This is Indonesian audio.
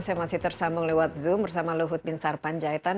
saya masih tersambung lewat zoom bersama luhut bin sarpanjaitan